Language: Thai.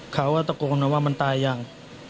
เขาก็ตกลงนะว่ามันตายยัง